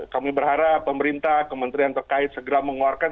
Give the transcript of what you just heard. kami berharap pemerintah kementerian terkait segera mengeluarkan